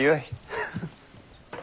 フフッ。